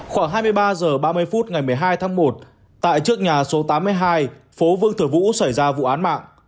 khoảng hai mươi ba h ba mươi phút ngày một mươi hai tháng một tại trước nhà số tám mươi hai phố vương thừa vũ xảy ra vụ án mạng